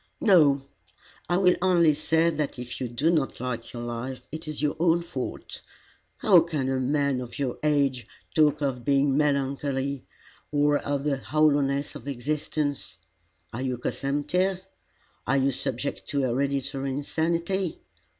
"No. I will only say that if you do not like your life, it is your own fault. How can a man of your age talk of being melancholy, or of the hollowness of existence? Are you consumptive? Are you subject to hereditary insanity?